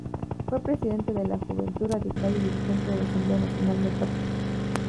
Fue presidente de la Juventud Radical y dirigente de la Asamblea Nacional del partido.